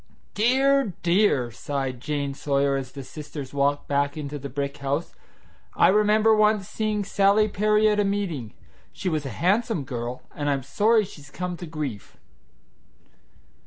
"Dear, dear!" sighed Jane Sawyer as the sisters walked back into the brick house. "I remember once seeing Sally Perry at meeting. She was a handsome girl, and I'm sorry she's come to grief."